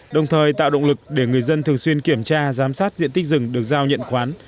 đồng thời tạo động lực để người dân thường xuyên kiểm tra giám sát diện tích rừng được giao nhận khoán